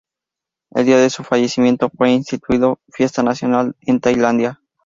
El día de su fallecimiento fue instituido fiesta nacional en Tailandia.